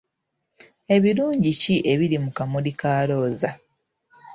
Ebirungi ki ebiri mu Kamuli ka Looza?